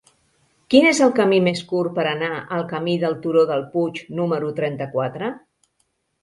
Quin és el camí més curt per anar al camí del Turó del Puig número trenta-quatre?